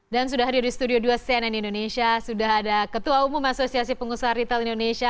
dan sudah hadir di studio dua cnn indonesia sudah ada ketua umum asosiasi pengusaha retail indonesia